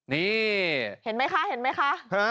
นี่เห็นมั้ยคะ